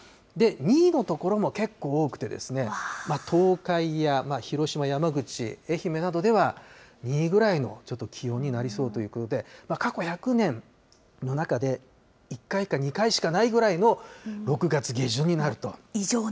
２位の所もけっこう多くて、東海や広島、山口、愛媛などでは２位ぐらいのちょっと気温になりそうということで、過去１００年の中で１回か２回しかないぐらいの６月下旬になると。